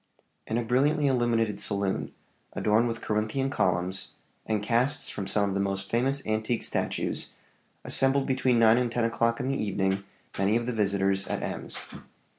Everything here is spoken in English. In a brilliantly illuminated saloon, adorned with Corinthian columns, and casts from some of the most famous antique statues, assembled between nine and ten o'clock in the evening many of the visitors at Ems.